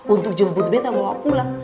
untuk jemput beta bawa pulang